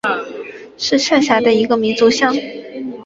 是下辖的一个民族乡。